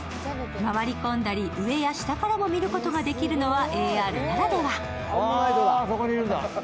回り込んだり、上や下からも見ることができるのはＡＲならでは。